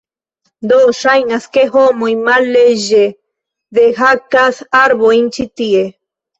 Do, ŝajnas ke homoj malleĝe dehakas arbojn ĉi tie.